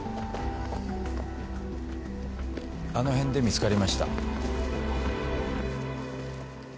あの辺で見つかりました。